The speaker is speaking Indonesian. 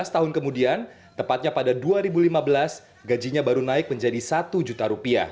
lima belas tahun kemudian tepatnya pada dua ribu lima belas gajinya baru naik menjadi rp satu juta